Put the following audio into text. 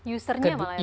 usernya malah ya